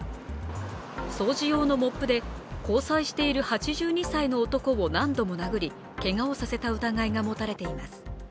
掃除用のモップで、交際している８２歳の男を何度も殴りけがをさせた疑いが持たれています。